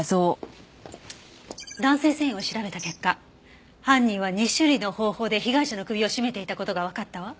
弾性繊維を調べた結果犯人は２種類の方法で被害者の首を絞めていた事がわかったわ。